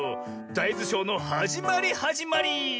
だいずショーのはじまりはじまり！